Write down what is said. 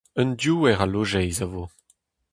Un diouer a lojeiz a vo.